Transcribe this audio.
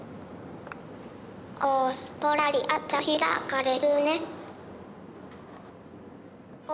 オーストラリアと開かれるね。